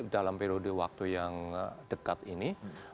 dalam periode waktu yang dekat ini